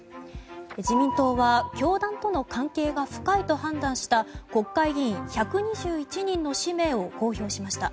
自民党は教団との関係が深いと判断した国会議員１２１人の氏名を公表しました。